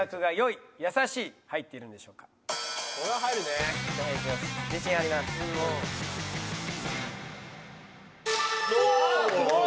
すごい！